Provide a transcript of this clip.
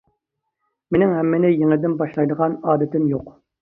مېنىڭ ھەممىنى يېڭىدىن باشلايدىغان ئادىتىم يوق.